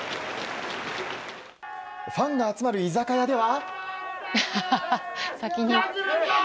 ファンが集まる居酒屋では。